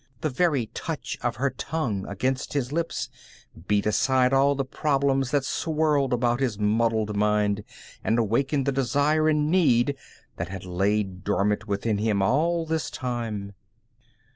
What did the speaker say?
The very touch of her tongue against his lips beat aside all the problems that swirled about his muddled mind and awakened the desire and need that had lain dormant within him all this time.